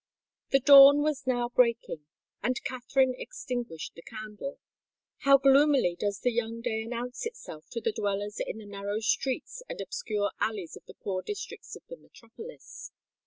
The dawn was now breaking; and Katherine extinguished the candle. How gloomily does the young day announce itself to the dwellers in the narrow streets and obscure alleys of the poor districts of the metropolis!